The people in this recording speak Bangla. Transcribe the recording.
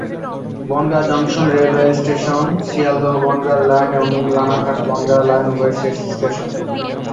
বনগাঁ জংশন রেলওয়ে স্টেশন শিয়ালদহ-বনগাঁ লাইন এবং রানাঘাট-বনগাঁ লাইন উভয়ের শেষ স্টেশন।